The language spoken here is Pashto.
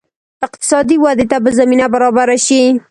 اقتصادي ودې ته به زمینه برابره شي.